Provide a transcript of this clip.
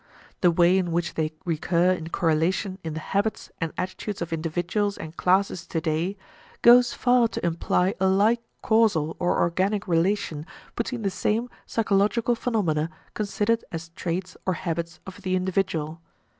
The way in which they recur in correlation in the habits and attitudes of individuals and classes today goes far to imply a like causal or organic relation between the same psychological phenomena considered as traits or habits of the individual.